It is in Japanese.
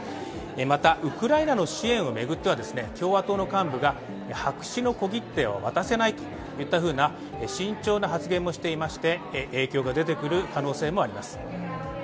また、ウクライナへの支援を巡っては共和党の幹部が白紙の小切手を渡せないといった慎重な発言もしていまして、影響が出てくる可能性もあります。